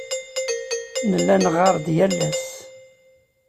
Nella neɣɣar-d yal ass.